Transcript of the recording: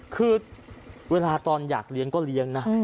คือเวลาตอนอยากเลี้ยงก็เลี้ยงนะ